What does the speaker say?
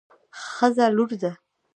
ښځه لور ده